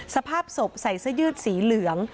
สภาพศพใส่เสื้อยืดสีเหลือง